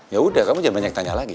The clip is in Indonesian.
ya udah kamu jangan banyak tanya lagi